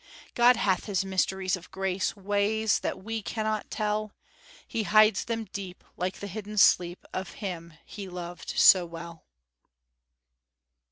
God hath his mysteries of grace, Ways that we cannot tell; He hides them deep, like the hidden sleep Of him he loved so well."